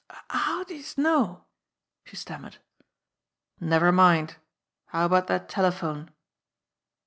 "How'd youse know?" she stammered. "Never mind! How about that telephone?"